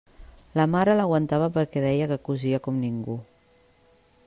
La mare l'aguantava perquè deia que cosia com ningú.